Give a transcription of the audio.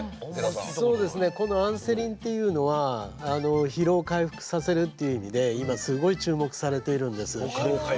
このアンセリンというのは疲労回復させるっていう意味で今すごい注目されているんです。